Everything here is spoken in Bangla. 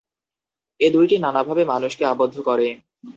এই দুইটি নানাভাবে মানুষকে আবদ্ধ করে।